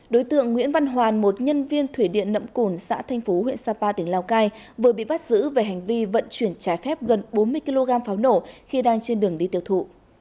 đối tượng nguyễn văn hoàn một nhân viên thủy điện nậm cồn xã thanh phú huyện sapa tỉnh lào cai vừa bị bắt giữ về hành vi vận chuyển trái phép gần bốn mươi kg pháo nổ khi đang trên đường đi tiêu thụ